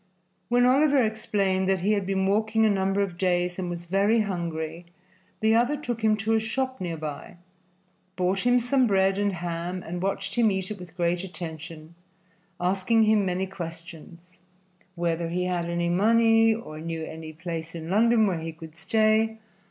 When Oliver explained that he had been walking a number of days and was very hungry, the other took him to a shop near by, bought him some bread and ham, and watched him eat it with great attention, asking him many questions whether he had any money or knew any place in London where he could stay.